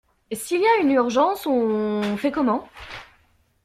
S’il y a une urgence, on fait comment?